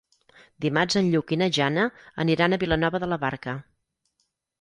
Dimarts en Lluc i na Jana aniran a Vilanova de la Barca.